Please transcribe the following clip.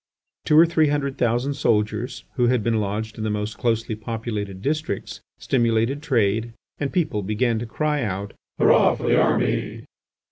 Two or three hundred thousand soldiers, who bad been lodged in the most closely populated districts, stimulated trade, and people began to cry out: "Hurrah for the army!"